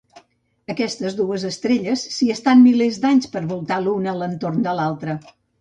Aquestes dues estrelles s'hi estan milers d'anys per voltar l'una entorn de l'altra.